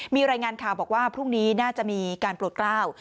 มีรายงานข่าวบอกว่าพรุ่งนี้น่าจะมีการโปรดกล้าว